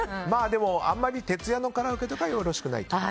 でも、あんまり徹夜のカラオケはよろしくないと。